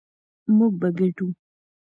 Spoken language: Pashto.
موږ به ګټو.